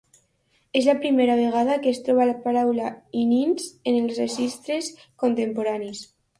És la primera vegada que es troba la paraula "innings" en els registres contemporanis.